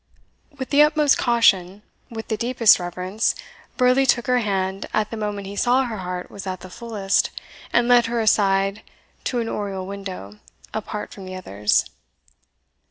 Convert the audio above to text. With the utmost caution with the deepest reverence Burleigh took her hand at the moment he saw her heart was at the fullest, and led her aside to an oriel window, apart from the others.